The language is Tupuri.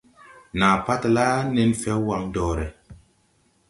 Nàa patala nen fɛw waŋ dɔre.